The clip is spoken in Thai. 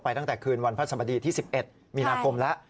ตั้งแต่คืนวันพระสมดีที่๑๑มีนาคมแล้ว